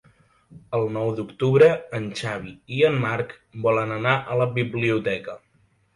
El nou d'octubre en Xavi i en Marc volen anar a la biblioteca.